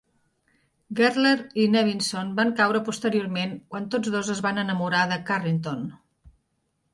Gertler i Nevinson van caure posteriorment quan tots dos es van enamorar de Carrington.